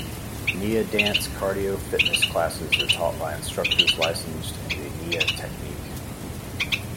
Nia dance cardio fitness classes are taught by instructors licensed in the Nia Technique.